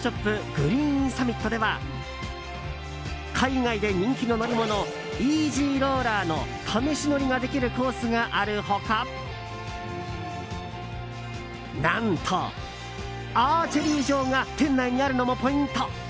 グリーンサミットでは海外で人気の乗り物イージーローラーの試し乗りができるコースがある他何とアーチェリー場が店内にあるのもポイント。